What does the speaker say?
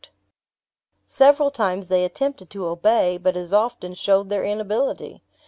Several times they attempted to obey, but as often showed their inability.